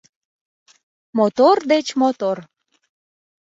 Мотор деч мотор.